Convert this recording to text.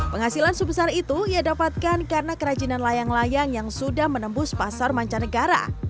penghasilan sebesar itu ia dapatkan karena kerajinan layang layang yang sudah menembus pasar mancanegara